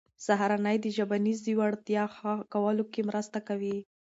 سهارنۍ د ژبنیزې وړتیا ښه کولو کې مرسته کوي.